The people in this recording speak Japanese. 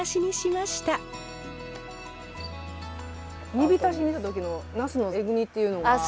煮びたしにした時のナスのえぐみっていうのがなくて。